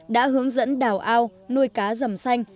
đã hướng dẫn đào ao nuôi cá dầm xanh